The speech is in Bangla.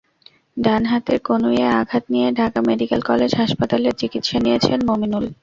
ডান হাতের কনুইয়ে আঘাত নিয়ে ঢাকা মেডিকেল কলেজ হাসপাতালের চিকিৎসা নিয়েছেন মমিনুল।